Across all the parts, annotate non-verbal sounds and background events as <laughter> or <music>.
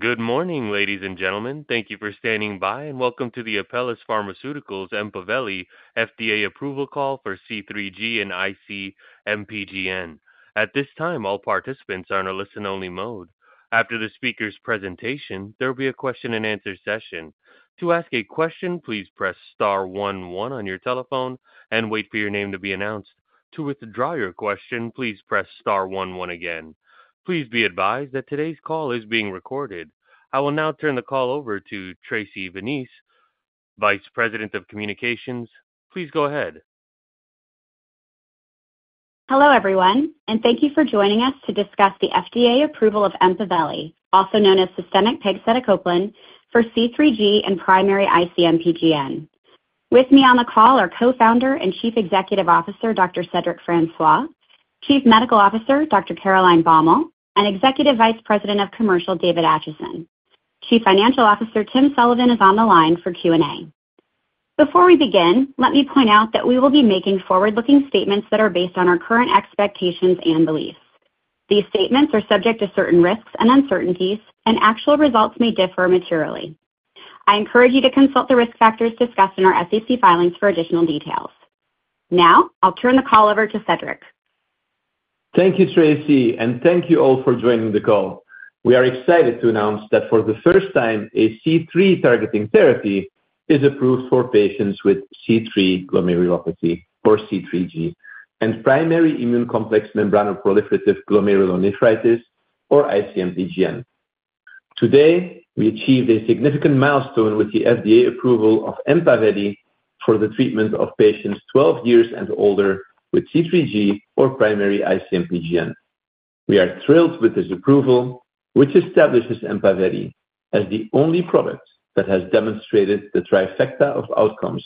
Good morning ladies and gentlemen. Thank you for standing by and welcome to the Apellis Pharmaceuticals EMPAVELI FDA Approval Call for C3G and IC-MPGN. At this time, all participants are in a listen-only mode. After the speakers' presentation, there will be a question-and-answer session. To ask a question, please press star one one on your telephone and wait for your name to be announced. To withdraw your question, please press star one one again. Please be advised that today's call is being recorded. I will now turn the call over to Tracy Vineis, Vice President of Communications. Please go ahead. Hello everyone and thank you for joining us to discuss the FDA approval of EMPAVELI, also known as systemic pegcetacoplan for C3G and Primary IC-MPGN. With me on the call are Co-Founder and Chief Executive Officer Dr. Cedric Francois, Chief Medical Officer Dr. Caroline Baumal, and Executive Vice President, Commercial David Acheson. Chief Financial Officer Tim Sullivan is on the line for Q&A. Before we begin, let me point out that we will be making forward-looking statements that are based on our current expectations and beliefs. These statements are subject to certain risks and uncertainties, and actual results may differ materially. I encourage you to consult the risk factors discussed in our SEC filings for additional details. Now I'll turn the call over to Cedric. Thank you Tracy and thank you all for joining the call. We are excited to announce that for the first time a C3-targeting therapy is approved for patients with C3 Glomerulopathy or C3G and Primary Immune Complex Membranoproliferative Glomerulonephritis or IC-MPGN. Today we achieved a significant milestone with the FDA approval of EMPAVELI for the treatment of patients 12 years and older with C3G or Primary IC-MPGN. We are thrilled with this approval, which establishes EMPAVELI as the only product that has demonstrated the "trifecta" of outcomes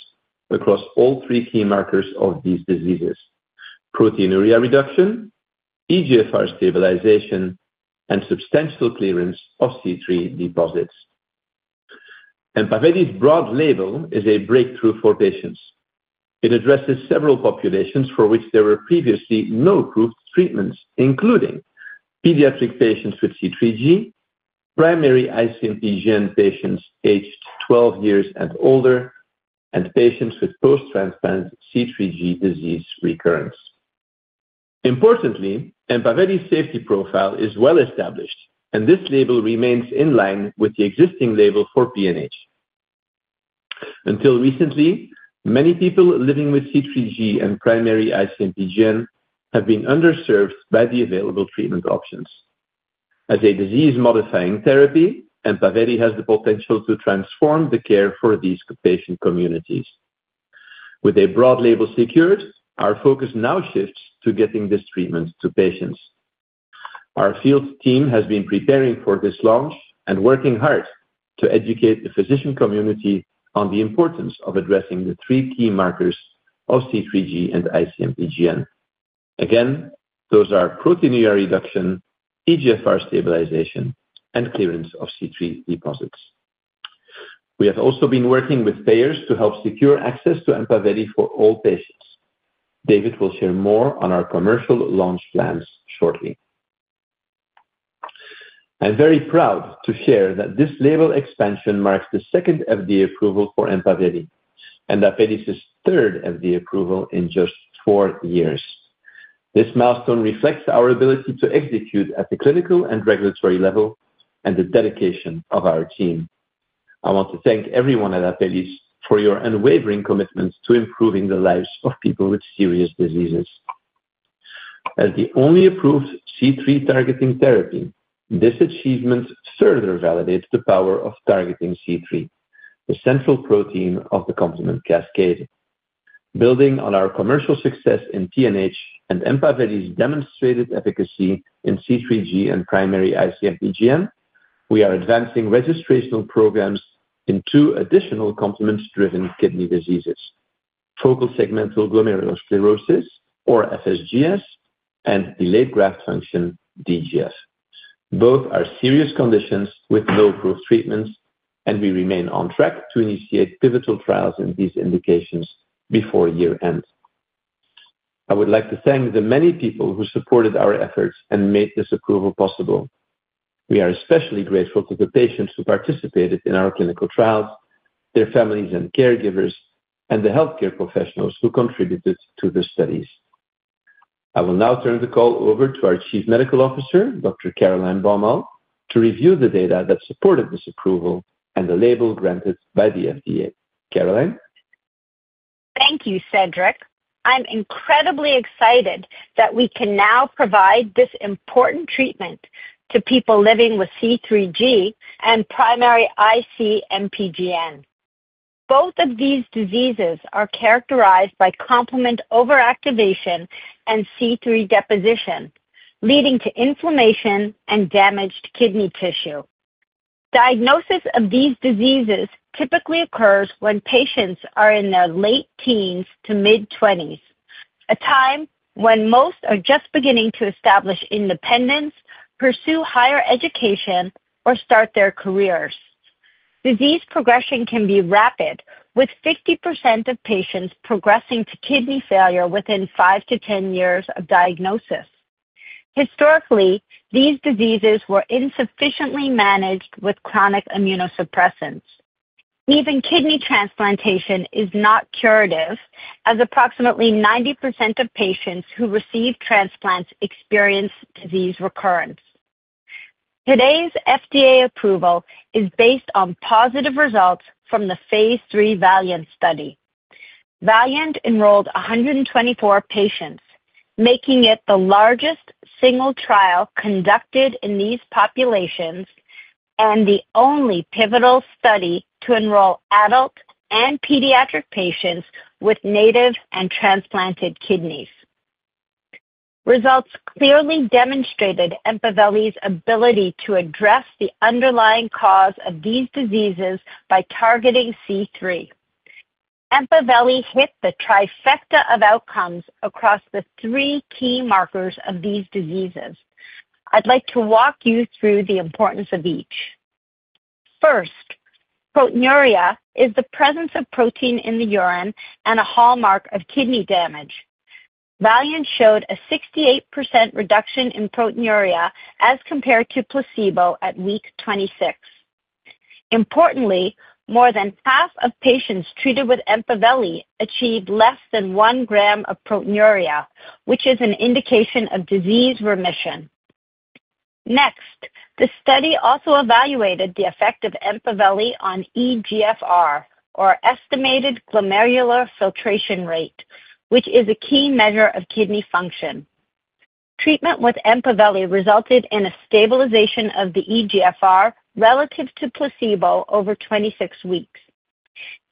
across all three key markers of these diseases: proteinuria reduction, eGFR stabilization, and substantial clearance of C3 deposits. EMPAVELI's broad label is a breakthrough for patients. It addresses several populations for which there were previously no approved treatments, including pediatric patients with C3G, Primary IC-MPGN patients aged 12 years and older, and patients with post-transplant C3G disease recurrence. Importantly, EMPAVELI's safety profile is well-established and this label remains in line with the existing label for PNH. Until recently, many people living with C3G and Primary IC-MPGN have been underserved by the available treatment options. As a disease-modifying therapy, EMPAVELI has the potential to transform the care for these patient communities. With a broad label secured, our focus now shifts to getting this treatment to patients. Our field team has been preparing for this launch and working hard to educate the physician community on the importance of addressing the three key markers of C3G and IC-MPGN. Again, those are proteinuria reduction, eGFR stabilization, and clearance of C3 deposits. We have also been working with Payers to help secure access to EMPAVELI for all patients. David will share more on our commercial launch plans shortly. I'm very proud to share that this label expansion marks the second FDA approval for EMPAVELI and Apellis' third FDA approval in just four years. This milestone reflects our ability to execute at the clinical and regulatory level and the dedication of our team. I want to thank everyone at Apellis for your unwavering commitment to improving the lives of people with serious diseases. As the only approved C3-targeting therapy, this achievement further validates the power of targeting C3, the central protein of the complement cascade. Building on our commercial success in PNH and EMPAVELI's demonstrated efficacy in C3G and Primary IC-MPGN, we are advancing Registrational Programs in two additional complement-driven kidney diseases, Focal Segmental Glomerulosclerosis (FSGS) and Delayed Graft Function (DGF). Both are serious conditions with no approved treatments, and we remain on track to initiate Pivotal Trials in these indications before year-end. I would like to thank the many people who supported our efforts and made this approval possible. We are especially grateful to the patients who participated in our clinical trials, their families and caregivers, and the healthcare professionals who contributed to the studies. I will now turn the call over to our Chief Medical Officer, Dr. Caroline Baumal, to review the data that supported this approval and the label granted by the FDA. Caroline Thank you Cedric. I'm incredibly excited that we can now provide this important treatment to people living with C3G and Primary IC-MPGN. Both of these diseases are characterized by Complement overactivation and C3 deposition, leading to inflammation and damaged kidney tissue. Diagnosis of these diseases typically occurs when patients are in their late teens to mid-20s, a time when most are just beginning to establish independence, pursue higher education, or start their careers. Disease progression can be rapid, with 50% of patients progressing to kidney failure within five-to-10 years of diagnosis. Historically, these diseases were insufficiently managed with chronic immunosuppressants. Even kidney transplantation is not curative, as approximately 90% of patients who receive transplants experience disease recurrence. Today's FDA approval is based on positive results from the phase III VALIANT study. VALIANT enrolled 124 patients, making it the largest single trial conducted in these populations and the only Pivotal Study to enroll adult and pediatric patients with native and transplanted kidneys. Results clearly demonstrated EMPAVELI's ability to address the underlying cause of these diseases by targeting C3. EMPAVELI hit the "trifecta" of outcomes across the three key markers of these diseases. I'd like to walk you through the importance of each. First, proteinuria is the presence of protein in the urine and a hallmark of kidney damage. VALIANT showed a 68% reduction in proteinuria as compared to placebo at Week 26. Importantly, more than half of patients treated with EMPAVELI achieved less than one gram of proteinuria, which is an indication of disease remission. Next, the study also evaluated the effect of EMPAVELI on eGFR, or estimated glomerular filtration rate, which is a key measure of kidney function. Treatment with EMPAVELI resulted in a stabilization of the eGFR relative to placebo over 26 weeks.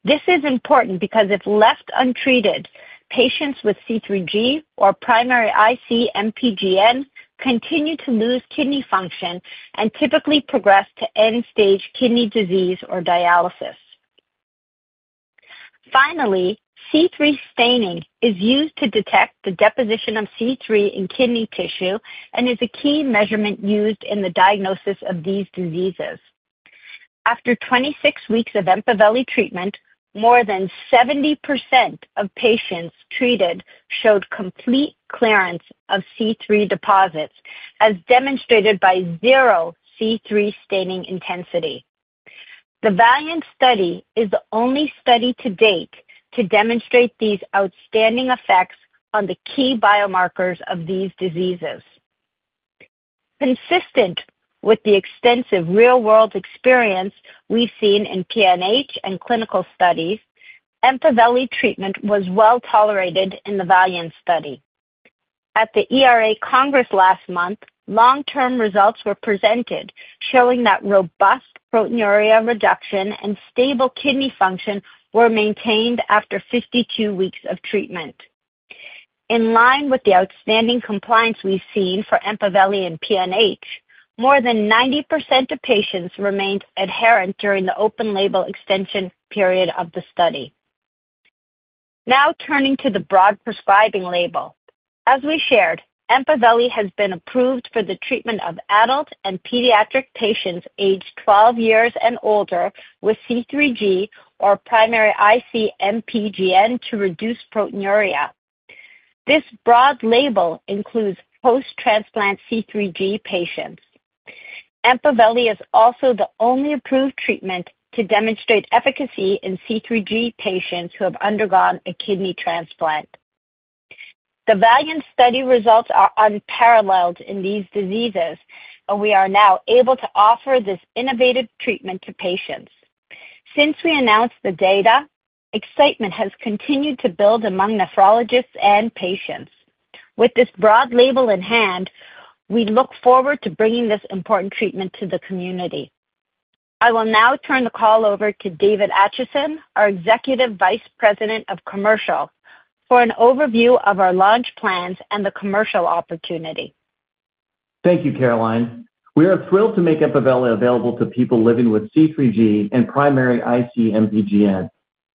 This is important because if left untreated, patients with C3G or Primary IC-MPGN continue to lose kidney function and typically progress to End-Stage Kidney Disease or dialysis. Finally, C3 staining is used to detect the deposition of C3 in kidney tissue and is a key measurement used in the diagnosis of these diseases. After 26 weeks of EMPAVELI treatment, more than 70% of patients treated showed complete clearance of C3 deposits as demonstrated by zero C3 staining intensity. The VALIANT study is the only study to date to demonstrate these outstanding effects on the key biomarkers of these diseases. Consistent with the extensive real-world experience we've seen in PNH and Clinical Studies, EMPAVELI treatment was well-tolerated in the VALIANT study. At the ERA Congress last month, long-term results were presented showing that robust proteinuria reduction and stable kidney function were maintained after 52 weeks of treatment. In line with the outstanding compliance we've seen for EMPAVELI in PNH, more than 90% of patients remained adherent during the Open-Label Extension Period of the study. Now turning to the broad Prescribing Label. As we shared, EMPAVELI has been approved for the treatment of adult and pediatric patients aged 12 years and older with C3G or Primary IC-MPGN to reduce proteinuria. This broad label includes post-transplant C3G patients. EMPAVELI is also the only approved treatment to demonstrate efficacy in C3G patients who have undergone a kidney transplant. The VALIANT study results are unparalleled in these diseases and we are now able to offer this innovative treatment to patients. Since we announced the data, excitement has continued to build among nephrologists and patients. With this broad label in hand, we look forward to bringing this important treatment to the community. I will now turn the call over to David Acheson, our Executive Vice President of Commercial, for an overview of our launch plans and the commercial opportunity. Thank you, Caroline. We are thrilled to make EMPAVELI available to people living with (C3G) and Primary IC-MPGN.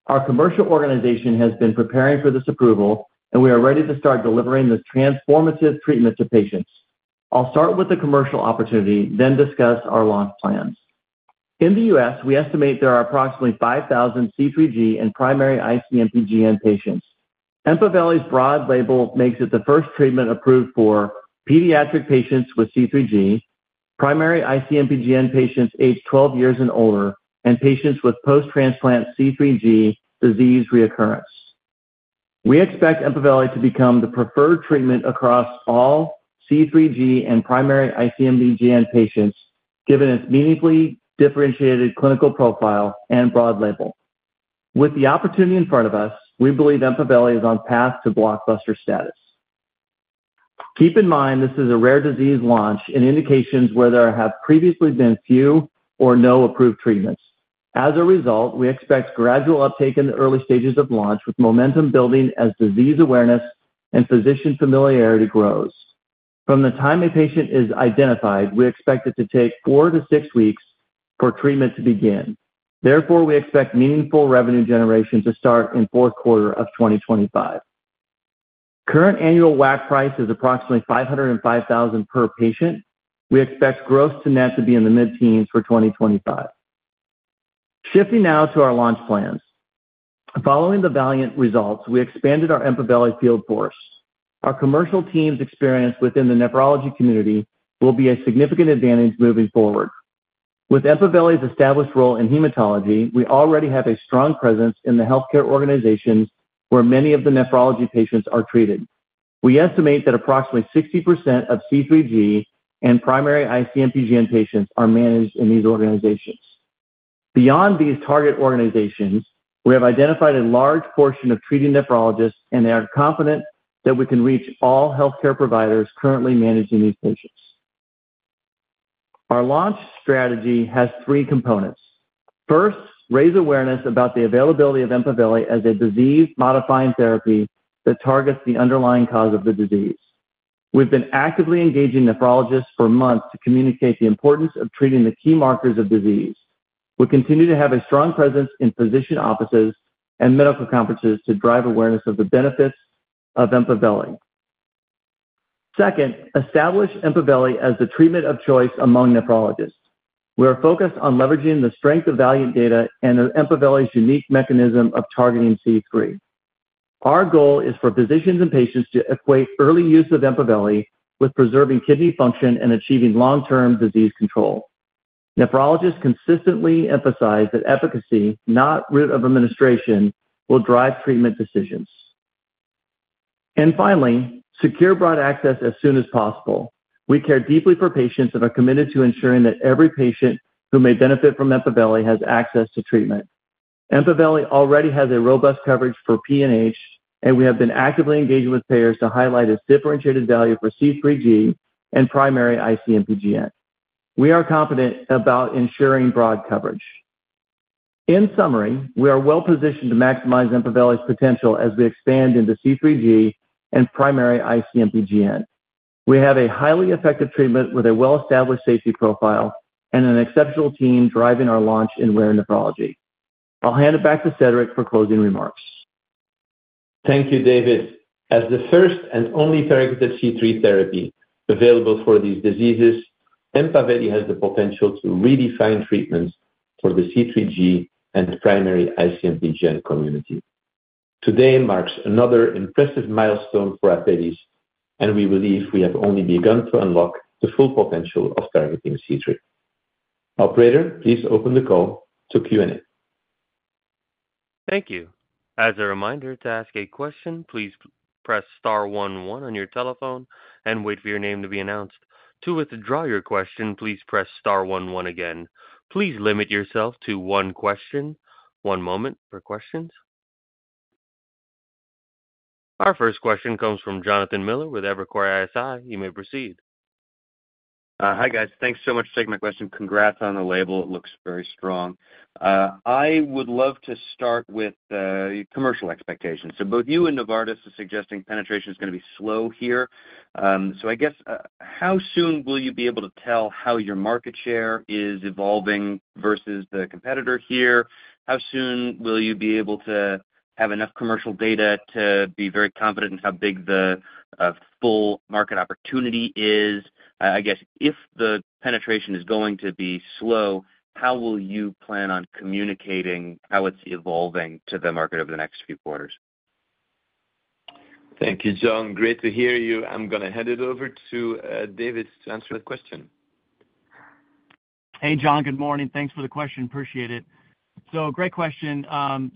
Our commercial organization has been preparing for this approval, and we are ready to start delivering this transformative treatment to patients. I'll start with the commercial opportunity, then discuss our launch plans. In the U.S., we estimate there are approximately 5,000 C3G and Primary IC-MPGN patients. EMPAVELI's broad label makes it the first treatment approved for pediatric patients with C3G, Primary IC-MPGN patients aged 12 years and older, and patients with post-transplant C3G disease recurrence. We expect EMPAVELI to become the preferred treatment across all C3G and Primary IC-MPGN patients given its meaningfully differentiated clinical profile and broad label. With the opportunity in front of us, we believe EMPAVELI is on path to "blockbuster" status. Keep in mind this is a Rare Disease Launch in indications where there have previously been few or no approved treatments. As a result, we expect gradual uptake in the early stages of launch, with momentum building as disease Awareness and physician familiarity grows. From the time a patient is identified, we expect it to take four to six weeks for treatment to begin. Therefore, we expect meaningful revenue generation to start in the fourth quarter of 2025. Current annual WAC price is approximately $505,000 per patient. We expect Gross-to-Net to be in the mid-teens for 2025. Shifting now to our launch plans, following the VALIANT study results, we expanded our EMPAVELI Field Force. Our commercial team's experience within the Nephrology Community will be a significant advantage moving forward. With EMPAVELI's established role in Hematology, we already have a strong presence in the Healthcare Organizations where many of the nephrology patients are treated. We estimate that approximately 60% of C3G and Primary IC-MPGN patients are managed in these organizations. Beyond these target organizations, we have identified a large portion of treating nephrologists, and they are confident that we can reach all healthcare providers currently managing these patients. Our Launch Strategy has three components. First, raise awareness about the availability of EMPAVELI as a disease-modifying therapy that targets the underlying cause of the disease. We've been actively engaging nephrologists for months to communicate the importance of treating the key markers of disease. We continue to have a strong presence in physician offices and Medical Conferences to drive awareness of the benefits of EMPAVELI. Second, establish EMPAVELI as the treatment of choice among nephrologists. We are focused on leveraging the strength of VALIANT data and EMPAVELI's unique mechanism of targeting C3. Our goal is for physicians and patients to equate early use of EMPAVELI with preserving kidney function and achieving long-term disease control. Nephrologists consistently emphasize that efficacy, not route of administration, will drive treatment decisions, and finally, secure broad access as soon as possible. We care deeply for patients and are committed to ensuring that every patient who may benefit from EMPAVELI has access to treatment. EMPAVELI already has robust coverage for PNH, and we have been actively engaging with Payers to highlight its differentiated value for C3G and Primary IC-MPGN. We are confident about ensuring broad coverage. In summary, we are well-positioned to maximize EMPAVELI's potential as we expand into C3G and Primary IC-MPGN. We have a highly-effective treatment with a well-established safety profile and an exceptional team driving our Launch in Rare Nephrology. I'll hand it back to Cedric for Closing Remarks. Thank you, David. As the first and only targeted C3 therapy available for these diseases, EMPAVELI has the potential to redefine treatments for the C3G and Primary IC-MPGN community. Today marks another impressive milestone for Apellis Pharmaceuticals and we believe we have only begun to unlock the full potential of targeting C3. Operator, please open the call to Q&A. Thank you. As a reminder to ask a question, please press star one one on your telephone and wait for your name to be announced. To withdraw your question, please press star one one. Again, please limit yourself to one question. One moment for questions. Our first question comes from Jonathan Miller with Evercore ISI. You may proceed. Hi guys. Thanks so much for taking my question. Congrats on the label. It looks very strong. I would love to start with commercial expectations. Both you and Novartis are suggesting penetration is going to be slow here. I guess how soon will you be able to tell how your market share is evolving versus the competitor here. How soon will you be able to have enough commercial data to be very confident in how big the full market opportunity is? I guess if the penetration is going to be slow, how will you plan on communicating how it's evolving to the market over the next few quarters? Thank you, John. Great to hear you. I'm going to hand it over to David to answer the question. Hey John, good morning. Thanks for the question. Appreciate it. Great question.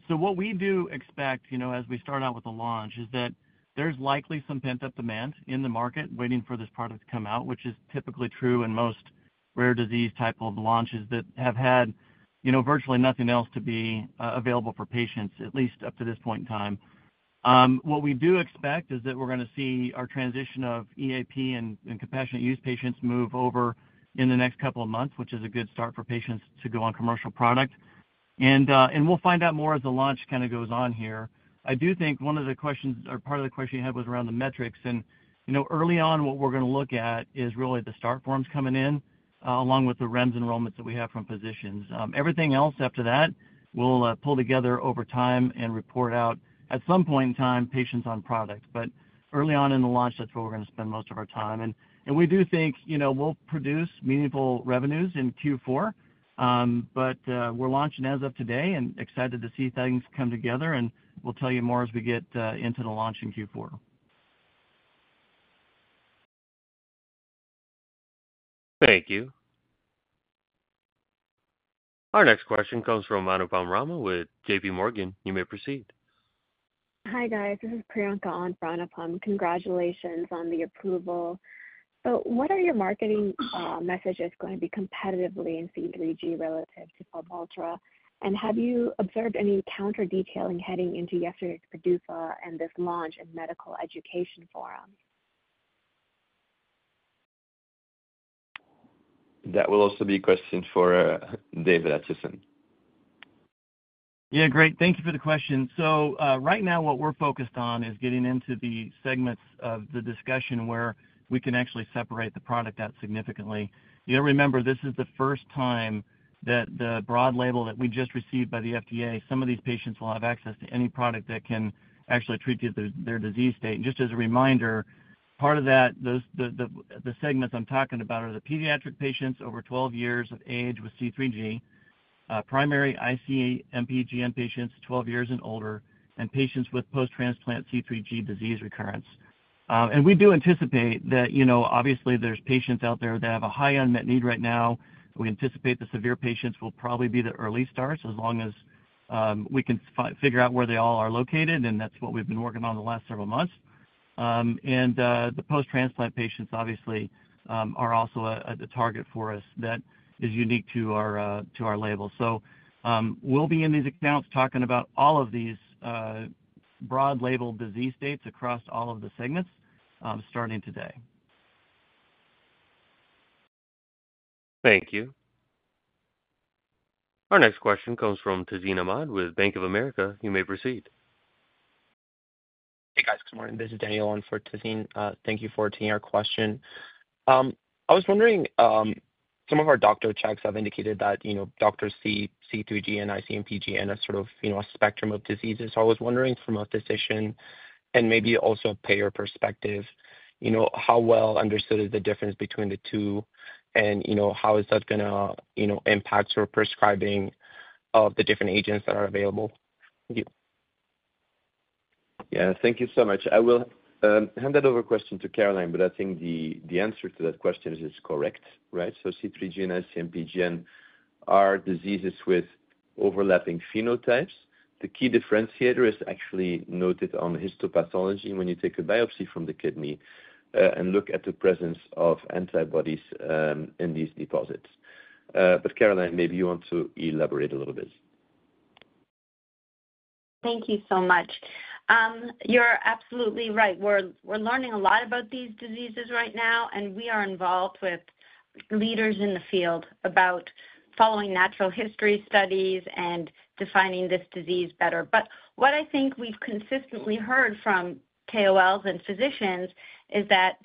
What we do expect as we start out with the Launch is that there's likely some pent-up demand in the market waiting for this product to come, which is typically true in most Rare Disease type of launches that have had virtually nothing else to be available for patients, at least up to this point in time. What we do expect is that we're going to see our transition of EAP and Compassionate Use atients move over in the next couple of months, which is a good start for patients to go on commercial product. We'll find out more as the Launch kind of goes on here. I do think one of the questions or part of the question you had was around the metrics. Early on what we're going to look at is really the Start Forms coming in along with the REMS enrollments that we have from physicians. Everything else after that we'll pull together over time and report out at some point in time patients on product. Early on in the Launch that's where we're going to spend most of our time. We do think we'll produce meaningful revenues in Q4. We're launching as of today and excited to see things come together. We'll tell you more as we get into the Launch in Q4. Thank you. Our next question comes from Anupam Rama with JPMorgan. You may proceed. Hi guys, this is Priyanka on Anupam. Congratulations on the approval. What are your marketing messages going to be competitively in C3G relative to, and have you observed any counter detailing heading into yesterday's PDUFA and this Launch in Medical Education Forums? That will also be a question for David Acheson. Yeah, great, thank you for the question. Right now what we're focused on is getting into the segments of the discussion where we can actually separate the product out significantly. You gotta remember this is the first time that the broad label that we just received by the FDA, some of these patients will have access to any product that can actually treat their disease state. Just as a reminder, part of that, the segments I'm talking about are the pediatric patients over 12 years of age with C3G, Primary IC-MPGN patients 12 years and older, and patients with post-transplant C3G disease recurrence. We do anticipate that, you know, obviously there's patients out there that have a High Unmet Need right now. We anticipate the Severe Patients will probably be the Early Starts as long as we can figure out where they all are located. That's what we've been working on the last several months. The post-transplant patients obviously are also the target for us that is unique to our label. We'll be in these accounts talking about all of these broad babel Disease States across all of the Segments starting today. Thank you. Our next question comes from Tazeen Ahmad with Bank of America. You may proceed. Hey guys, good morning. This is Daniel on for Tazeen. Thank you for taking our question. I was wondering, some of our "doctor checks" have indicated that doctors see C3G and IC-MPGN and a sort of spectrum of diseases. I was wondering from a decision and maybe also a Payer perspective, how well understood is the difference between the two, and how is that going to impact your prescribing of the different agents that are available? Thank you so much. I will hand that over to Caroline, but I think the answer to that question is correct. Right. So C3G and IC-MPGN are diseases with overlapping phenotypes. The key differentiator is actually noted on histopathology when you take a biopsy from the kidney and look at the presence of antibodies in these deposits. Caroline, maybe you want to elaborate a little bit. Thank you so much. You're absolutely right. We're learning a lot about these diseases right now, and we are involved with leaders in the field about following natural history studies and defining this disease better. What I think we've consistently heard from KOLs and physicians is that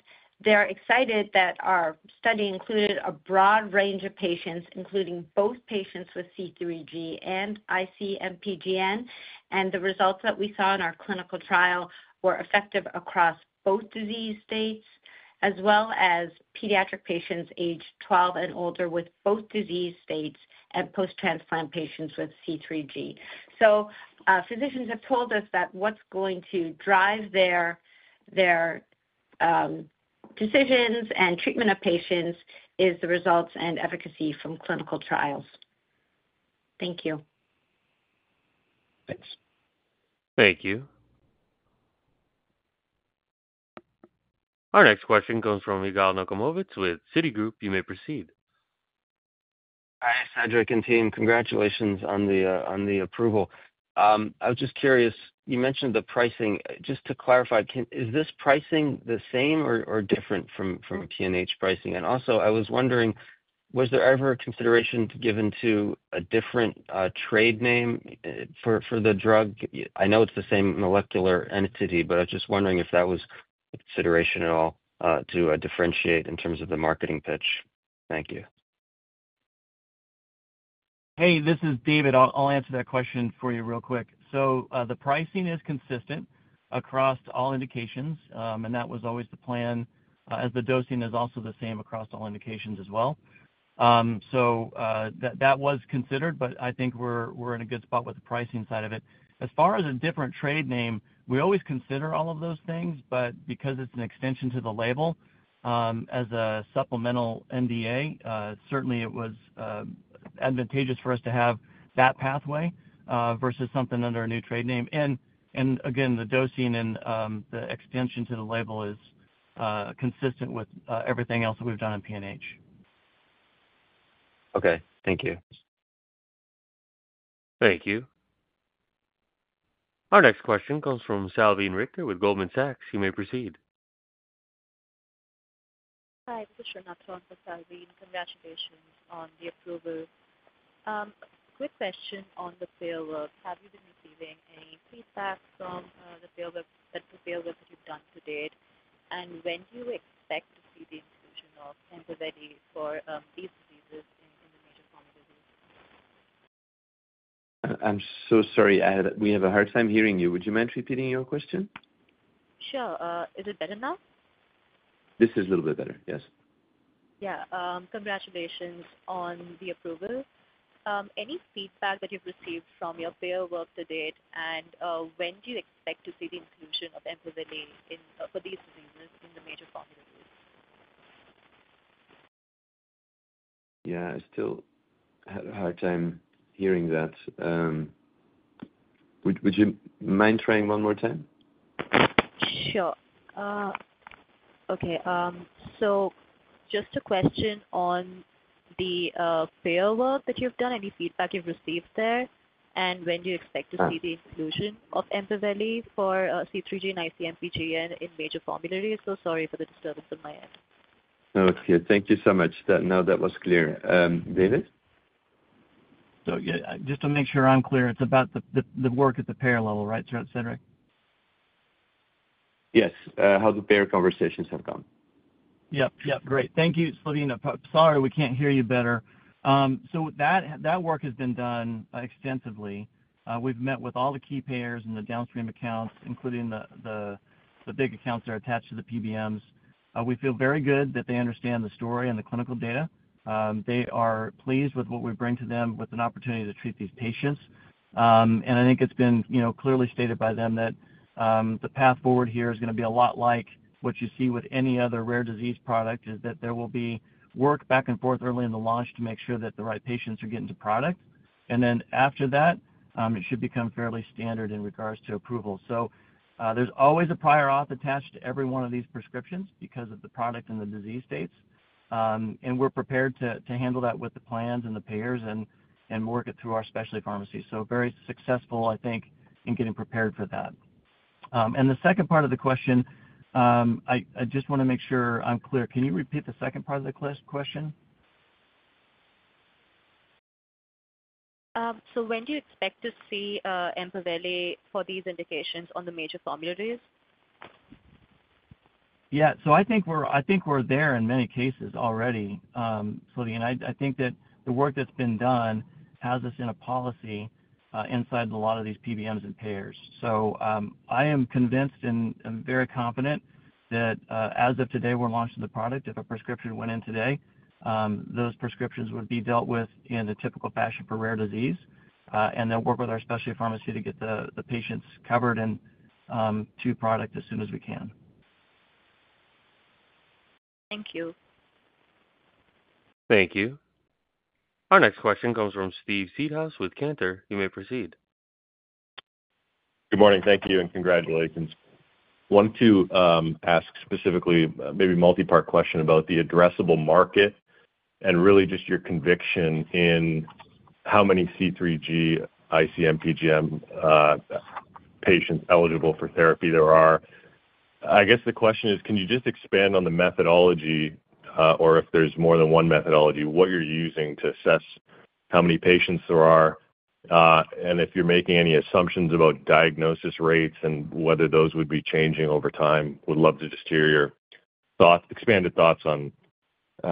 they're excited that our study included a broad range of patients, including both patients with C3G and IC-MPGN. The results that we saw in our clinical trial were effective across both Disease States, as well as pediatric patients age 12 and older with both Disease States, and post-transplant patients with C3G. Physicians have told us that what's going to drive their decisions and treatment of patients is the results and efficacy from clinical trials. Thank you. Thanks. Thank you. Our next question comes from Yigal Nochomovitz with Citigroup. You may proceed. Hi Cedric and team. Congratulations on the approval. I was just curious, you mentioned the pricing. Just to clarify, is this pricing the same or different from PNH pricing? I was wondering, was there ever a consideration given to a different trade name for the drug? I know it's the same molecular entity, but I was just wondering if that was consideration at all to differentiate in terms of the marketing pitch. Thank you. Hey, this is David. I'll answer that question for you real quick. The pricing is consistent across all indications and that was always the plan, as the dosing is also the same across all indications as well. That was considered. I think we're in a good spot with the pricing side of it. As far as a different trade name, we always consider all of those things, but because it's an extension to the label as a Supplemental NDA, certainly it was advantageous for us to have that pathway versus something under a new trade name. Again, the dosing and the extension to the label is consistent with everything else that we've done in PNH. Okay, thank you. Thank you. Our next question comes from Salveen Richter with Goldman Sachs Group. You may proceed. Hi, <audio distortion> for Salveen. Congratulations on the approval. Quick question on the Payer work. Have you been receiving any feedback from the Payer work that you've done to date, and when do you expect to see the inclusion of EMPAVELI for hese diseases in the major formularies? I'm sorry, we have a hard time hearing you. Would you mind repeating your question? Sure. Is it better now? This is a little bit better. Yes. Yeah. Congratulations on the approval. Any feedback that you've received from your Payer work to date, and when do you expect to see the use of EMPAVELI for these diseases in the major formulary group? Yeah, I still had a hard time hearing that. Would you mind trying one more time? Sure. Okay. Just a question on the Payer work that you've done. Any feedback you've received there, and when do you expect to see the inclusion of EMPAVELI for C3G and IC-MPGN in major formularies? Sorry for the disturbance on my end. Okay, thank you so much. Now that was clear. David. Just to make sure I'm clear, it's about the work at the Payer level, right, Cedric? Yes, how the Payer conversations have come. Great. Thank you, [Salveen]. Sorry we can't hear you better. That work has been done extensively. We've met with all the Key Payers and the downstream accounts, including the big accounts that are attached to the PBMs. We feel very good that they understand the story and the clinical data. They are pleased with what we bring to them with an opportunity to treat these patients, and I think it's been clearly stated by them that the path forward here is going to be a lot like what you see with any other Rare Disease Product. There will be work back and forth early in the Launch to make sure that the right patients are getting to product and then after that it should become fairly standard in regards to approval. There's always a prior auth attached to every one of these prescriptions because of the product and the disease states. We're prepared to handle that with the plans and the payers and work it through our specialty pharmacy. So very successful, I think, in getting prepared for that. The second part of the question, I just want to make sure I'm clear. Can you repeat the second part of the question? When do you expect to see EMPAVELI for these indications on the major formularies? I think we're there in many cases already, and I think that the work that's been done has us in a Policy inside a lot of these PBMs and Payers. I am convinced and very confident that as of today we're launching the product. If a Prescription went in today, those prescriptions would be dealt with in a typical fashion for Rare Disease. They'll work with our Specialty Pharmacy to get the Patients Covered to Product as soon as we can. Thank you. Thank you. Our next question comes from Steve Seedhouse with Cantor. You may proceed. Good morning. Thank you and congratulations. Wanted to ask specifically, maybe multi-part question about the Addressable Market and really just your conviction in how many C3G, IC-MPGN Patients Eligible for Therapy there are. I guess the question is, can you just expand on the methodology or if there's more than one methodology, what you're using to assess how many patients there are and if you're making any assumptions about Diagnosis Rates and whether those would be changing over time. Would love to just hear your xxpanded thoughts on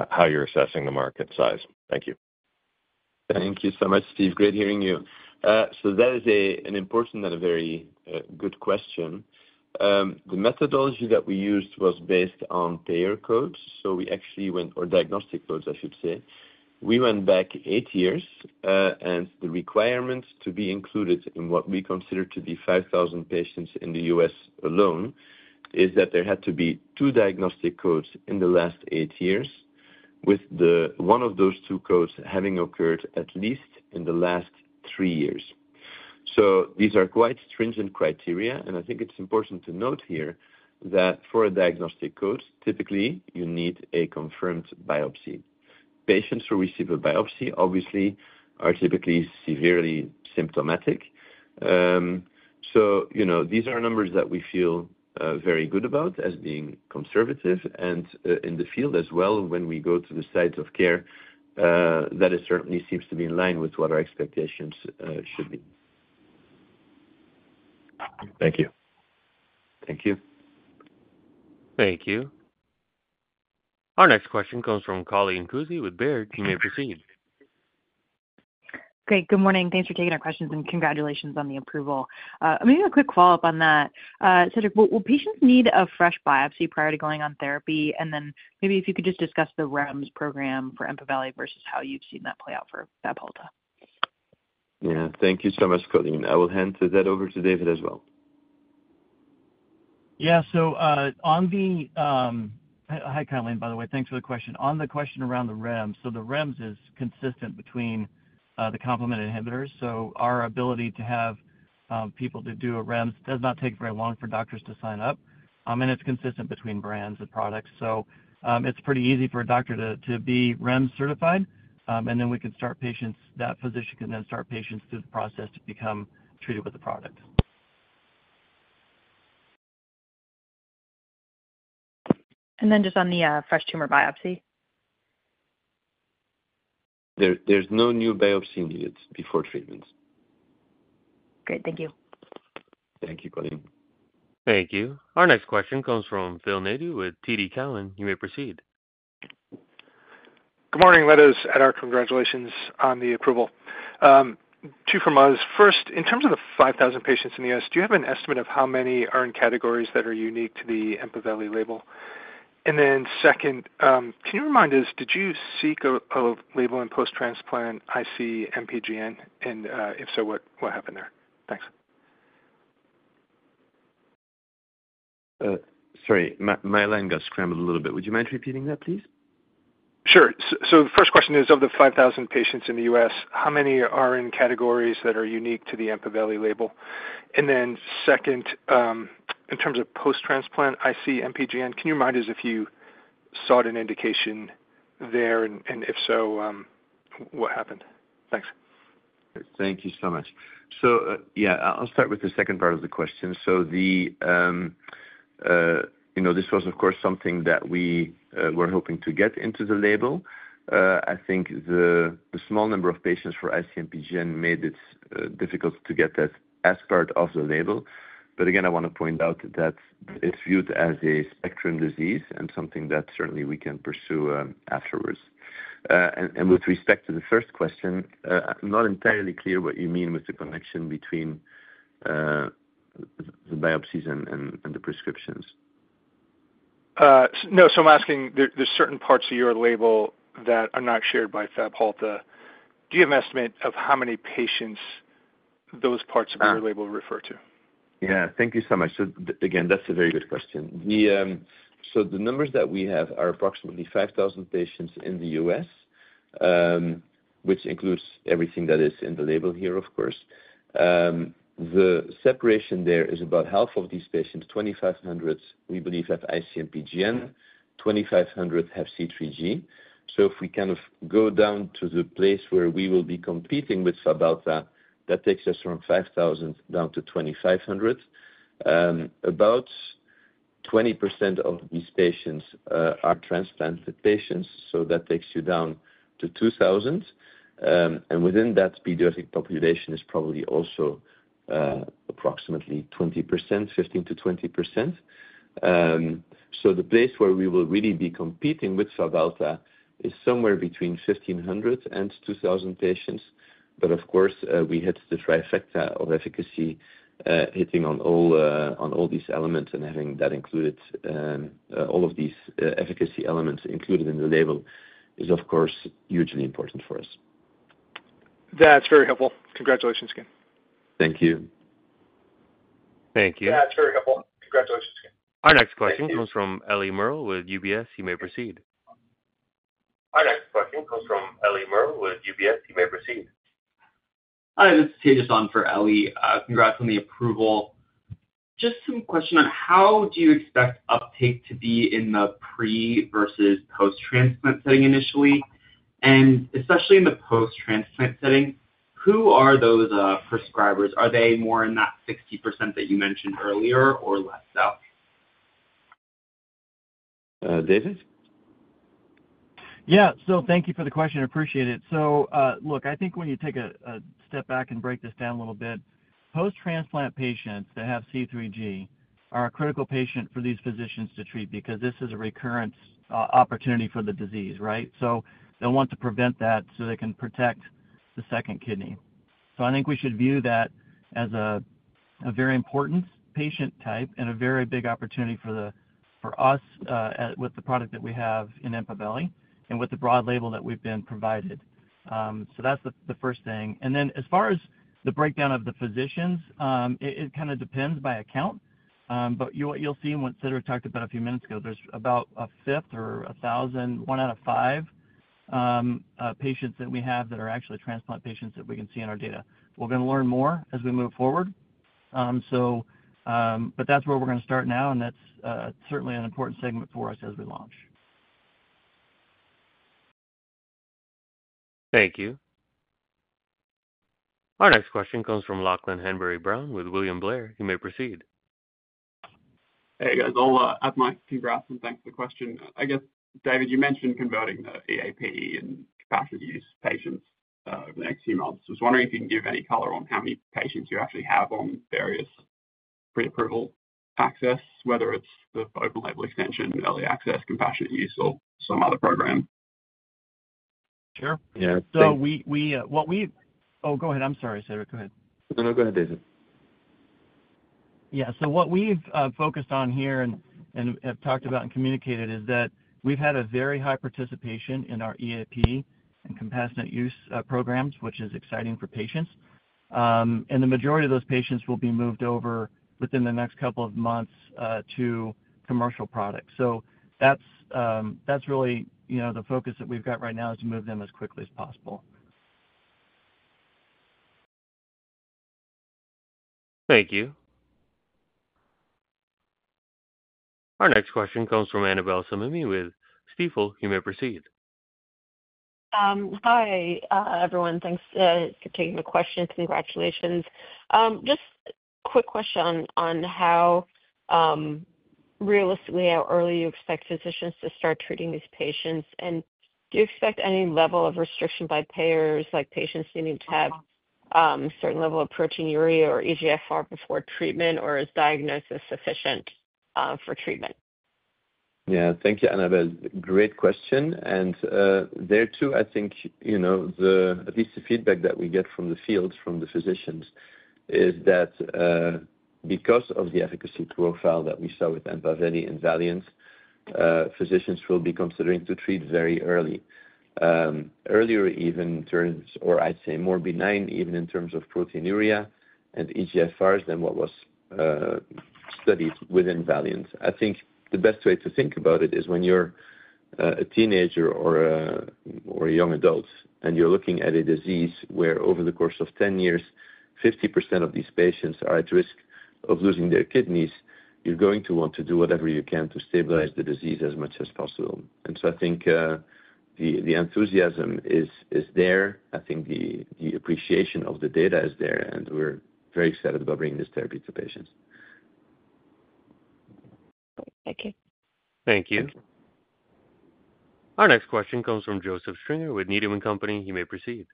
how you're assessing the market size. Thank you. Thank you so much, Steve. Great hearing you. That is an important and a very good question. The methodology that we used was based on Payer Codes, so we actually went, or Diagnostic Codes, I should say. We went back eight years. The requirements to be included in what we consider to be 5,000 patients in the U.S. alone is that there had to be two Diagnostic Codes in the last eight years, with one of those two codes having occurred at least in the last three years. These are quite stringent criteria. I think it's important to note here that for a Diagnostic Code, typically, you need a Confirmed Biopsy. Patients who receive a biopsy obviously are typically Severely Symptomatic. These are numbers that we feel very good about as being conservative, and in the field as well, when we go to the Site of Care, that certainly seems to be in line with what our expectations should be. Thank you. Thank you. Thank you. Our next question comes from Colleen Kusy with Baird. You may proceed. Great. Good morning. Thanks for taking our questions and congratulations on the approval. Maybe a quick follow-up on that, Cedric, will patients need a fresh biopsy prior to going on therapy? If you could just discuss the REMS Program for EMPAVELI versus. How you've seen that play out for FABHALTA. Yeah. Thank you so much, Colleen. I will hand that over to David as well. Yeah. Hi, Colleen. By the way, thanks for the question. On the question around the REMS, the REMS is consistent between the Complement Inhibitors. Our ability to have people do a REMS does not take very long for doctors to sign up, and it's consistent between brands and products. It's pretty easy for a doctor to be REMS Certified, and then we can start patients. That physician can then start patients to process to become treated with the product. Just on the fresh tumor biopsy. There's no new biopsy needed before treatment. Great. Thank you. Thank you, Colleen. Thank you. Our next question comes from Phil Nadeau with TD Cowen. You may proceed. Good morning. Let us add our congratulations on the approval. Two from us. First, in terms of the 5,000 patients in the U.S., do you have an estimate of how many are in categories that are unique to the EMPAVELI Label? Second, can you remind us, did you seek a Label in Post-Transplant IC-MPGN, and if so, what happened there? Thanks. Sorry, my line got scrambled a little bit. Would you mind repeating that, please? Sure. The first question is, of the 5,000 patients in the U.S., how many are in categories that are unique to the EMPAVELI Label? In terms of Post-Transplant IC-MPGN, can you remind us if you sought an indication there and if so, what happened? Thanks. Thank you so much. I'll start with the second part of the question. This was, of course, something that we were hoping to get into the Label. I think the small number of patients for IC-MPGN made it difficult to get that as part of the Label. Again, I want to point out that it's viewed as a Spectrum Disease and something that certainly we can pursue afterwards. With respect to the first question, not entirely clear what you mean with the connection between the Biopsies and the Prescriptions. No. I'm asking, there's certain parts of your label that are not shared by FABHALTA. Do you have an estimate of how many patients those parts of your label refer to? Yeah, thank you so much again, that's a very good question. The numbers that we have are approximately 5,000 patients in the U.S., which includes everything that is in the label here. Of course, the separation there is about half of these patients, 2,500, we believe, have IC-MPGN, 2,500 have C3G. If we kind of go down to the place where we will be competing with FABHALTA, that takes us from 5,000 down to 2,500. About 20% of these patients are transplanted patients. That takes you down to 2,000. Within that, pediatric population is probably also approximately 20%, 15%-20%. The place where we will really be competing with FABHALTA is somewhere between 1,500 and 2,000 patients. Of course, we hit the trifecta of efficacy. Hitting on all these elements and having that included, all of these efficacy elements included in the label is, of course, hugely important for us. That's very helpful. Congratulations again. Thank you. Thank you. Our next question comes from Ellie Merle with UBS. You may proceed. You may proceed. Hi, this is [Chase] on for Ellie. Congrats on the approval. Just some question on how do you expect uptake to be in the pre- versus post-transplant setting initially and especially in the post-transplant setting, who are those prescribers? Are they more in that 60% that you mentioned earlier or less? David. Yeah, thank you for the question. I appreciate it. I think when you take a step back and break this down a little bit, post-transplant patients that have C3G are a critical patient for these physicians to treat because this is a recurrence opportunity for the disease. Right. They'll want to prevent that so they can protect the second kidney. I think we should view that as a very important patient type and a very big opportunity for us with the product that we have in EMPAVELI and with the broad label that we've been provided. That's the first thing. As far as the breakdown of the physicians, it kind of depends by account, but you'll see what Cedric talked about a few minutes ago. There's about a fifth, or 1,000, one out of five patients that we have that are actually transplant patients that we can see in our data. We're going to learn more as we move forward, but that's where we're going to start now and that's certainly an important segment for us as we launch. Thank you. Our next question comes from Lachlan Hanbury-Brown with William Blair. You may proceed. Hey guys, I'll add Mike. Congrats and thanks for the question, I guess. David, you mentioned converting the EAP and Compassionate Use patients over the next few months. I was wondering if you can give any color on how many patients you actually have on various pre-approval access, whether it's the Open-Label Extension, early access, Compassionate Use, or some other program. Sure, yeah. What we. Oh, go ahead. I'm sorry, Sarah, go ahead. No, go ahead, David. Yeah, what we've focused on here and have talked about and communicated is that we've had a very high participation in our EAP and Compassionate Use Programs, which is exciting for patients, and the majority of those patients will be moved over within the next couple of months to commercial products. That's really the focus that we've got right now, to move them as quickly as possible. Thank you. Our next question comes from Annabel Samimy with Stifel. You may proceed. Hi everyone. Thanks for taking the question. Congratulations. Just quick question on how realistically, how early you expect physicians to start treating these patients, and do you expect any level of restriction by Payers, like patients need to have certain level of proteinuria or eGFR before treatment, or is diagnosis sufficient for treatment? Yeah, thank you, Annabel, great question. I think, at least the feedback that we get from the field, from the physicians, is that because of the efficacy profile that we saw with EMPAVELI and VALIANT, physicians will be considering to treat very early, earlier even in terms, or I'd say more benign, even in terms of proteinuria and eGFRs than what was studied within the VALIANT study. I think the best way to think about it is when you're a teenager or a young adult and you're looking at a disease where over the course of 10 years, 50% of these patients are at risk of losing their kidneys, you're going to want to do whatever you can to stabilize the disease as much as possible. I think the enthusiasm is there, I think the appreciation of the data is there, and we're very excited about bringing this therapy to patients. Thank you. Thank you. Our next question comes from Joseph Stringer with Needham & Company. You may proceed.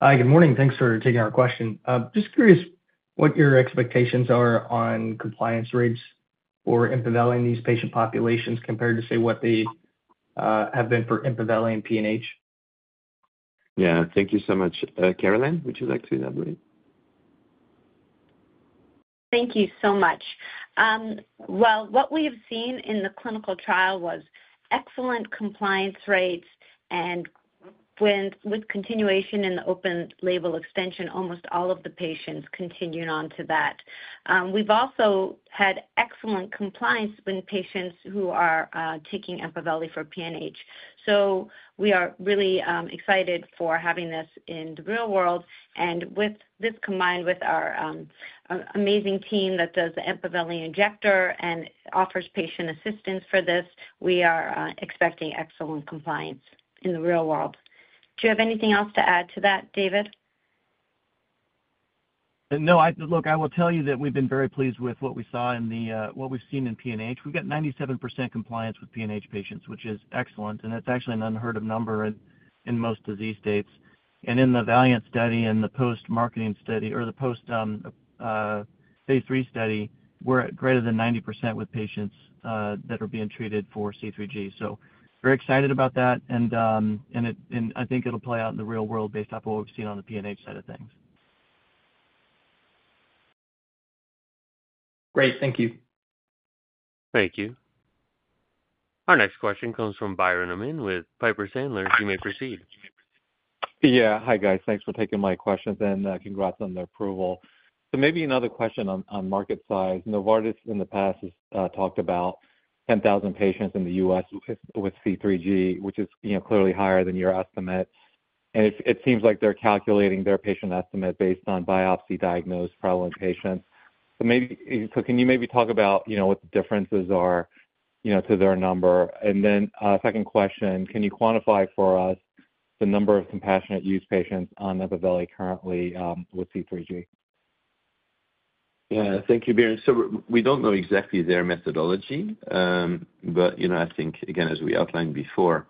Hi, good morning. Thanks for taking our question. Just curious what your expectations are on compliance rates for EMPAVELI in these patient populations compared to, say, what they have been for EMPAVELI and PNH. Yeah, thank you so much. Caroline, would you like to elaborate? Thank you so much. What we have seen in the clinical trial was excellent compliance rates. With continuation in the Open-Label Extension, almost all of the patients continued on to that. We've also had excellent compliance when patients who are taking EMPAVELI for PNH. We are really excited for having this in the real world. With this combined with our amazing team that does the EMPAVELI Injector and offers patient assistance for this, we are expecting excellent compliance in the real world. Do you have anything else to add to that, David? No. Look, I will tell you that we've been very pleased with what we saw in what we've seen in PNH. We've got 97% compliance with PNH patients, which is excellent. It's actually an unheard of number in most disease states. In the VALIANT study and the post-marketing study or the post-phase III study, we're at greater than 90% with patients that are being treated for C3G. Very excited about that and I think it'll play out in the real world based off of what we've seen on the PNH side of things. Great, thank you. Thank you. Our next question comes from Biren Amin with Piper Sandler. You may proceed. Yeah. Hi guys. Thanks for taking my questions and congrats on the approval. Maybe another question on market size. Novartis in the past has talked about 10,000 patients in the U.S. with C3G, which is clearly higher than your estimate. It seems like they're calculating their patient estimate based on biopsy-diagnosed prevalent patients. Can you maybe talk about what the differences are to their number? Second question, can you quantify for us the number of compassionate use patients on EMPAVELI currently with C3G? Yeah. Thank you, Biren. We don't know exactly their methodology, but I think, again, as we outlined before,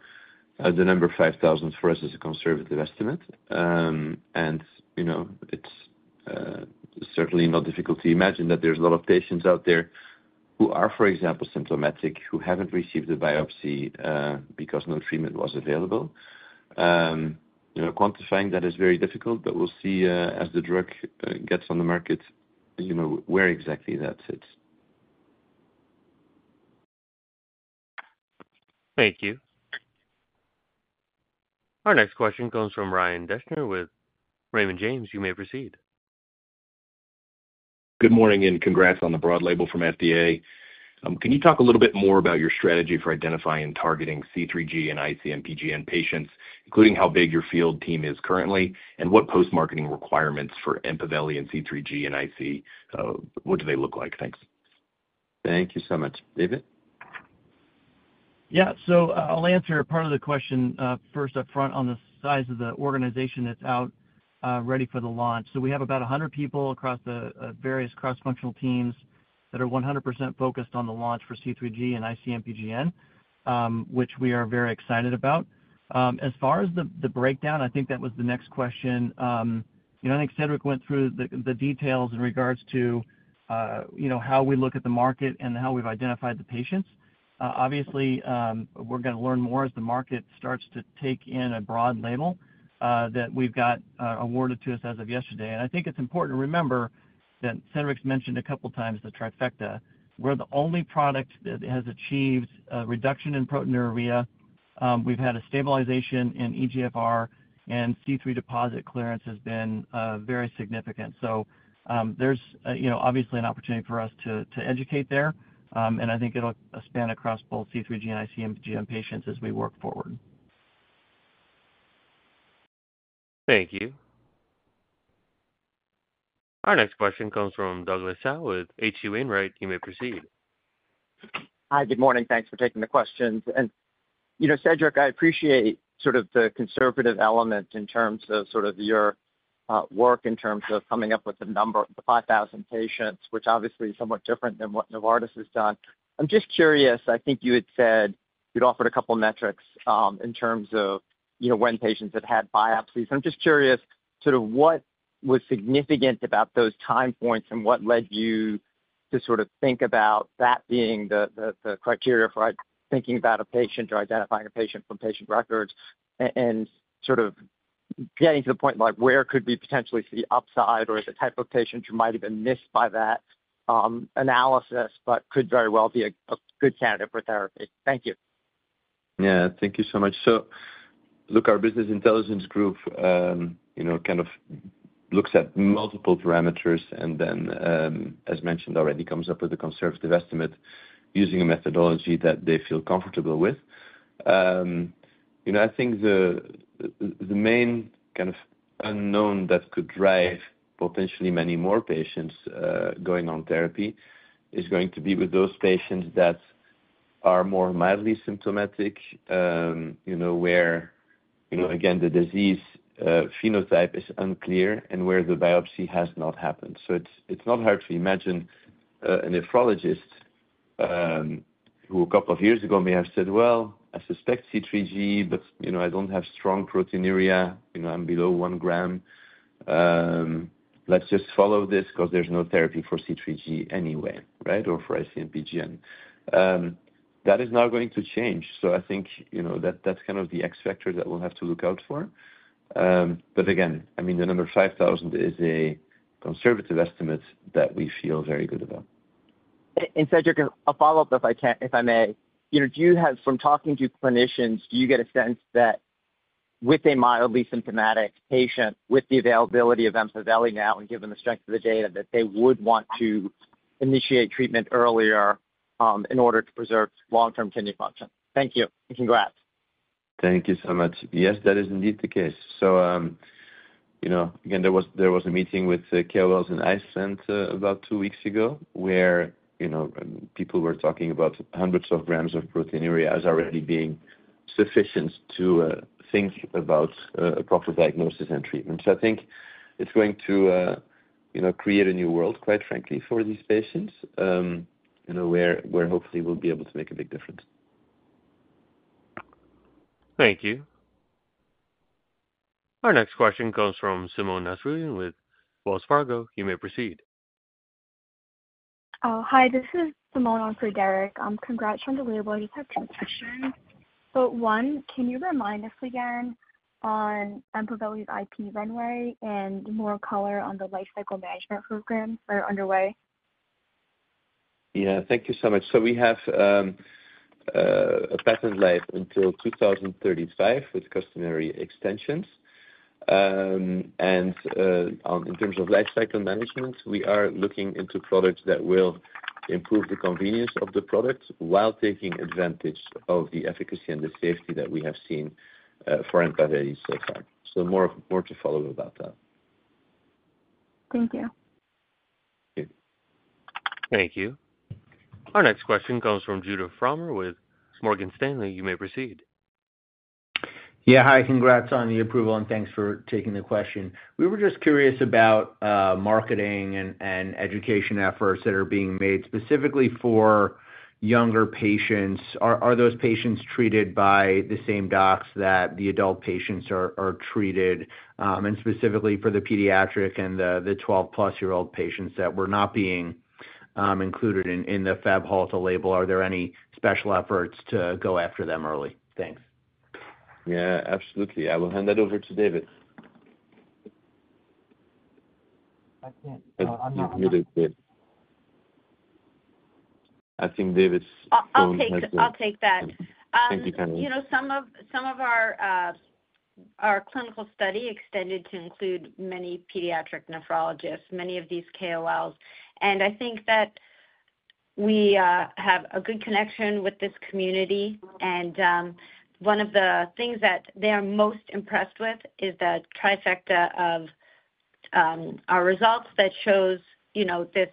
the number 5,000 for us is a conservative estimate. It's certainly not difficult to imagine that there's a lot of patients out there who are, for example, symptomatic, who haven't received a biopsy because no treatment was available. Quantifying that is very difficult. We'll see, as the drug gets on the market, you know where exactly that sits. Thank you. Our next question comes from Ryan Deschner with Raymond James. You may proceed. Good morning and congrats on the broad label from FDA. Can you talk a little bit more about your strategy for identifying and targeting C3G and IC-MPGN patients, including how big your field team is currently and what post marketing requirements for EMPAVELI and C3G and IC-MPGN? What do they look like? Thanks. Thank you so much, David. Yeah. I'll answer part of the question first up front on the size of the organization that's out ready for the launch. We have about 100 people across the various cross-functional teams that are 100% focused on the launch for C3G and IC-MPGN, which we are very excited about. As far as the breakdown, I think that was the next question. I think Cedric Francois went through the details in regards to how we look at the market and how we've identified the patients. Obviously, we're going to learn more as the market starts to take in a broad label that we've got awarded to us as of yesterday. I think it's important to remember that Cedric mentioned a couple times the trifecta. We're the only product that has achieved a reduction in proteinuria. We've had a stabilization in eGFR and C3 deposit clearance has been very significant. There's obviously an opportunity for us to educate there and I think it'll span across both C3G and IC-MPGN patients as we work forward. Thank you. Our next question comes from Douglas Tsao with H.C. Wainwright. You may proceed. Hi, good morning. Thanks for taking the questions, Cedric. I appreciate sort of the conservative element in terms of your work in terms of coming up with the number 5,000 patients, which obviously is somewhat different than what Novartis has done. I'm just curious, I think you had said you'd offered a couple metrics in terms of when patients had had biopsies. I'm just curious what was significant about those time points and what led you to think about that being the criteria for thinking about a patient or identifying a patient from patient records and getting to the point where could we potentially see upside or the type of patient who might have been missed by that analysis but could very well be a good candidate for therapy. Thank you. Yeah, thank you so much. Our Business Intelligence Group looks at multiple parameters and then, as mentioned already, comes up with a conservative estimate using a methodology that they feel comfortable with. I think the main unknown that could drive potentially many more patients going on therapy is going to be with those patients that are more mildly symptomatic, where again the disease phenotype is unclear and where the biopsy has not happened. It is not hard to imagine a nephrologist who a couple of years ago may have said, I suspect C3G but I don't have strong proteinuria, I'm below 1 g, let's just follow this because there's no therapy for C3G anyway or for IC-MPGN, that is now going to change. I think that's kind of the X factor that we'll have to look out for. Again, the number 5,000 is a conservative estimate that we feel very good about. Cedric, a follow-up if I may. Do you have from talking to clinicians, do you get a sense that with a mildly symptomatic patient with the availability of EMPAVELI now and given the strength of the data that they would want to initiate treatment earlier in order to preserve long term kidney function? Thank you and congrats. Thank you so much. Yes, that is indeed the case. There was a meeting with KOLs in Iceland about two weeks ago where people were talking about hundreds of grams of proteinuria as already being sufficient to think about a proper diagnosis and treatment. I think it's going to create a new world, quite frankly, for these patients where hopefully we'll be able to make a big difference. Thank you. Our next question comes from Simone Nasroodin with Wells Fargo. You may proceed. Hi, this is Simone on Frederick. Congrats on the label. I just have two questions. One, can you remind us again on EMPAVELI's IP runway and more color on the lifecycle management programs that are underway. Thank you so much. We have a patent life until 2035 with customary extensions. In terms of life cycle management, we are looking into products that will improve the convenience of the product while taking advantage of the efficacy and the safety that we have seen for EMPAVELI so far. More to follow about that. Thank you. Thank you. Our next question comes from Judah Frommer with Morgan Stanley. You may proceed. Yeah, hi. Congrats on the approval, and thanks for taking the question. We were just curious about marketing and education efforts that are being made specifically for younger patients. Are those patients treated by the same Docs that the adult patients are treated and specifically for the pediatric and the 12+ year old patients that were not being included in the FABHALTA label. Are there any special efforts to go after them early? Thanks. Yeah, absolutely. I will hand that over to David. I think. David, I'll take that. Thank you, Caroline. Some of our clinical study extended to include many pediatric nephrologists, many of these KOLs. I think that we have a good connection with this community. One of the things that they are most impressed with is the "trifecta" of our results that shows this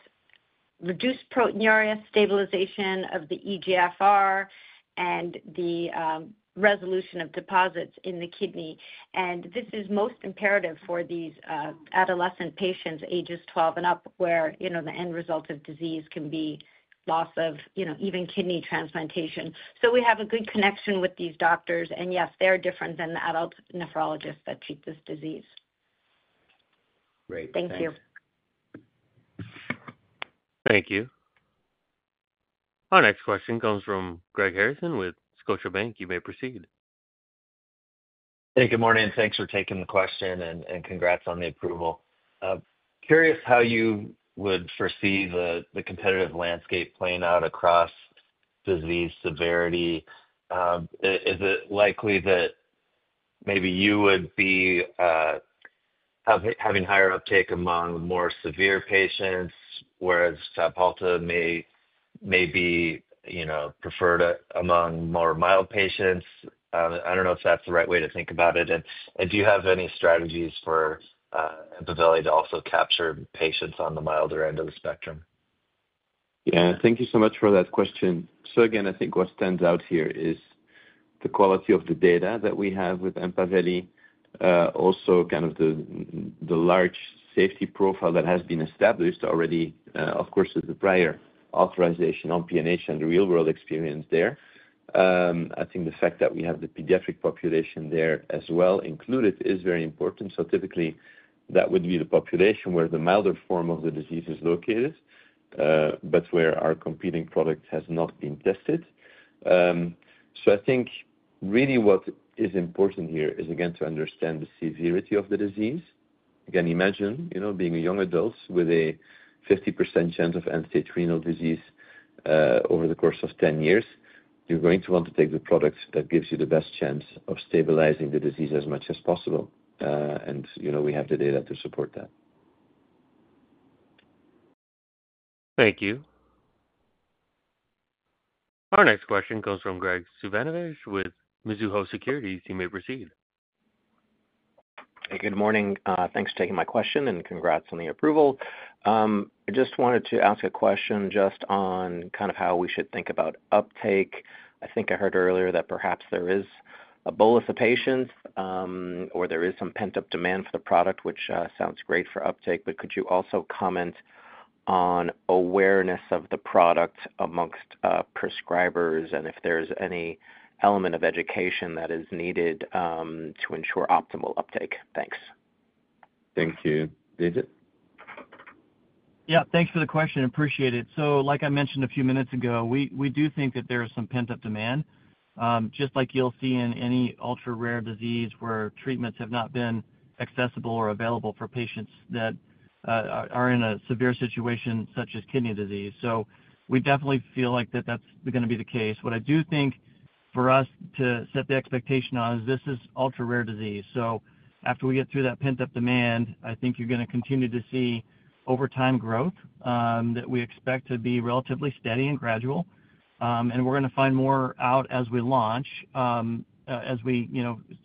reduced proteinuria, stabilization of the eGFR, and the resolution of deposits in the kidney. This is most imperative for these adolescent patients, ages 12 and up, where the end result of disease can be loss of even kidney transplantation. We have a good connection with these doctors. Yes, they are different than the adult nephrologists that treat this disease. Great. Thank you. Thank you. Our next question comes from Greg Harrison with Scotiabank. You may proceed. Hey, good morning. Thanks for taking the question and congrats on the approval. Curious how you would foresee the competitive landscape playing out across disease severity. Is it likely that maybe you would be having higher uptake among more severe patients, whereas FABHALTA may be, you know, preferred among more mild patients? I don't know if that's the right way to think about it. Do you have any strategies for EMPAVELI to also capture patients on the milder end of the spectrum? Thank you so much for that question. I think what stands out here is the quality of the data that we have with EMPAVELI. Also, the large safety profile that has been established already, of course, is the prior authorization on PNH and the real world experience there. I think the fact that we have the pediatric population there as well included is very important. Typically, that would be the population where the milder form of the disease is located, but where our competing product has not been tested. I think what is important here is to understand the severity of the disease. Imagine being a young adult with a 50% chance of end stage renal disease over the course of 10 years. You're going to want to take the product that gives you the best chance of stabilizing the disease as much as possible. We have the data to support that. Thank you. Our next question comes from Greg Suvannevejh with Mizuho Securities. You may proceed. Good morning. Thanks for taking my question and congrats on the approval. I just wanted to ask a question on kind of how we should think about uptake. I think I heard earlier that perhaps there is a bolus of patients or there is some pent up demand for the product, which sounds great for uptake, but could you also comment on awareness of the product amongst prescribers and if there's any element of education that is needed to ensure optimal uptake. Thanks. Thank you, David. Yeah, thanks for the question. Appreciate it. Like I mentioned a few minutes ago, we do think that there is some pent up demand just like you'll see in any ultra-rare disease where treatments have not been accessible or available for patients that are in a severe situation such as kidney disease. We definitely feel like that's going to be the case. What I do think for us to set the expectation on is this is ultra-rare disease. After we get through that pent-up demand, I think you're going to continue to see over time growth that we expect to be relatively steady and gradual. We're going to find more out as we launch as we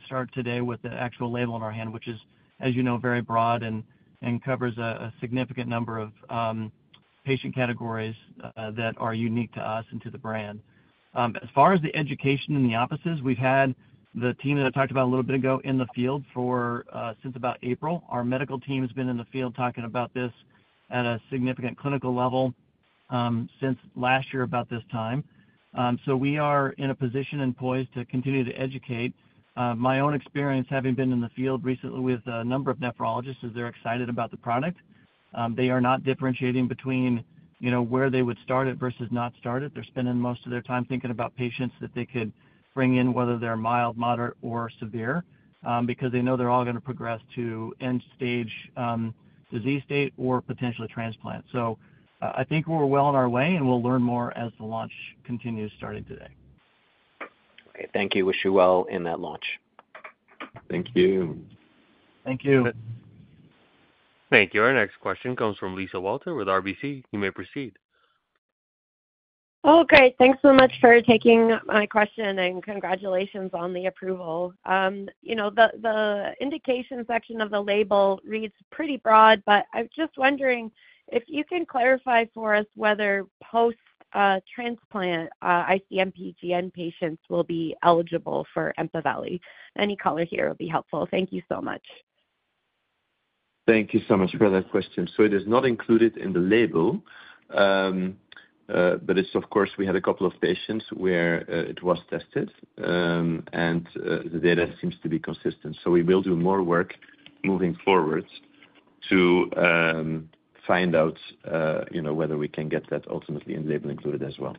start today with the actual label in our hand, which is, as you know, very broad and covers a significant number of patient categories that are unique to us and to the brand. As far as the education in the offices, we've had the team that I talked about a little bit ago in the field since about April. Our medical team has been in the field talking about this at a significant clinical level since last year about this time. We are in a position and poised to continue to educate. My own experience, having been in the field recently with a number of nephrologists, is they're excited about the program product. They are not differentiating between, you know, where they would start it versus not start it. They're spending most of their time thinking about patients that they could bring in, whether they're mild, moderate, or severe, because they know they're all going to progress to end stage disease state or potentially transplant. I think we're well on our way and we'll learn more as the launch continues starting today. Thank you. Wish you well in that launch. Thank you. Thank you. Thank you. Our next question comes from Lisa Walter with RBC. You may proceed. Oh great. Thanks so much for taking my question and congratulations on the approval. You know, the indication section of the label reads pretty broad, but I'm just wondering if you can clarify for us whether post transplant IC-MPGN patients will be eligible for EMPAVELI. Any color here will be helpful. Thank you. Thank you so much for that question. It is not included in the label, but of course, we had a couple of patients where it was tested, and the data seems to be consistent. We will do more work moving forward to find out, you know, whether we can get that ultimately in label included as well.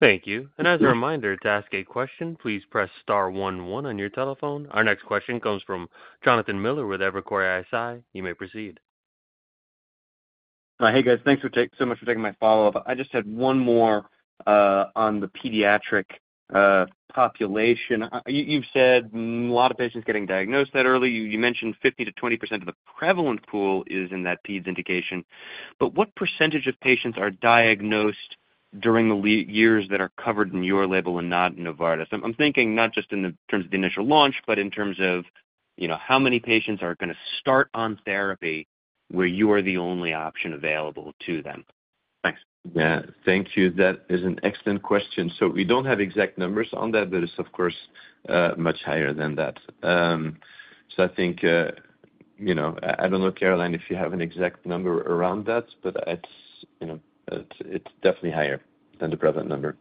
Thank you. As a reminder, to ask a question, please press star one one on your telephone. Our next question comes from Jonathan Miller with Evercore ISI. You may proceed. Hey guys, thanks so much for taking my follow-up. I just had one more on the pediatric population. You've said a lot of patients getting diagnosed that early. You mentioned 50% to 20% of the prevalent pool is in that peds indication. What percentage of patients are diagnosed during the years that are covered in your label and not in Novartis? I'm thinking not just in terms of the initial launch, but in terms of how many patients are going to start on therapy where you are the only option available to them. Thanks. Thank you. That is an excellent question. We don't have exact numbers on that, but it's of course much higher than that. I think, I don't know, Caroline, if you have an exact number around that, but you know, it's definitely higher than the prevalent number.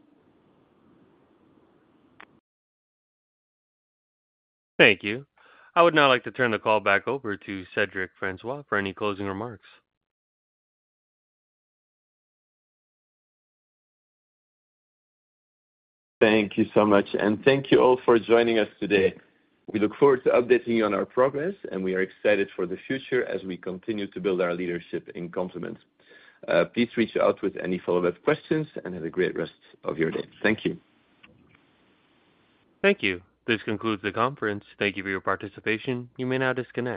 Thank you. I would now like to turn the call back over to Cedric Francois for any closing remarks. Thank you so much, and thank you all for joining us today. We look forward to updating you on our progress, and we are excited for the future as we continue to build our leadership in complement. Please reach out with any follow-up questions, and have a great rest of your day. Thank you. Thank you. This concludes the conference. Thank you for your participation. You may now disconnect.